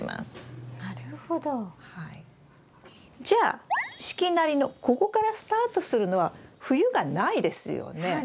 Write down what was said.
じゃあ四季なりのここからスタートするのは冬がないですよね。